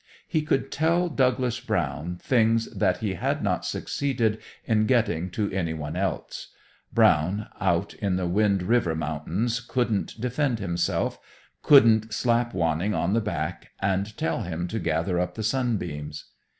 He could tell Douglas Brown things that he had not succeeded in getting to any one else. Brown, out in the Wind River mountains, couldn't defend himself, couldn't slap Wanning on the back and tell him to gather up the sunbeams.